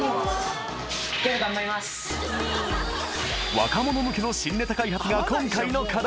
［若者向けの新ねた開発が今回の課題］